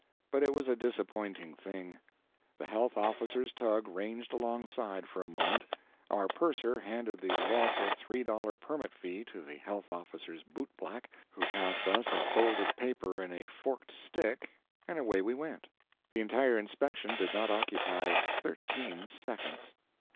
But it was a disappointing thing. The health officer's tug ranged alongside for a moment, our purser handed the lawful three dollar permit fee to the health officer's bootblack, who passed us a folded paper in a forked stick, and away we went. The entire "inspection" did not occupy thirteen seconds.